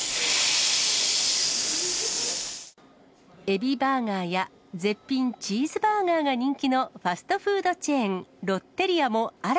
エビバーガーや絶品チーズバーガーが人気のファストフードチェー